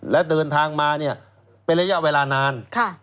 และเดินทางมาเนี่ยเป็นระยะเวลานาน